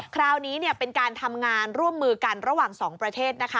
คราวนี้เป็นการทำงานร่วมมือกันระหว่างสองประเทศนะคะ